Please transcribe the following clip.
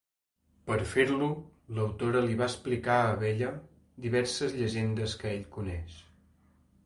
Per a fer-lo, l'autora li fa explicar a Bella diverses llegendes que ell coneix.